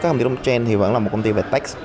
các công ty blockchain vẫn là một công ty về tech